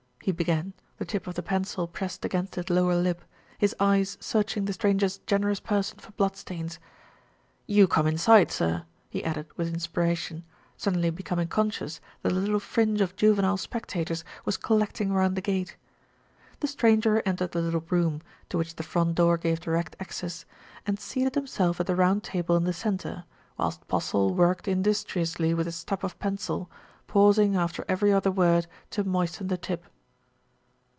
he began, the tip of the pencil pressed against his lower lip, his eyes searching the stranger's generous person for bloodstains. "You come inside, sir," he added with inspiration, suddenly becoming conscious that a little fringe of juvenile spec tators was collecting round the gate. The stranger entered the little room, to which the front door gave direct access, and seated himself at the round table in the centre, whilst Postle worked industriously with his stub of pencil, pausing after every other word to moisten the tip.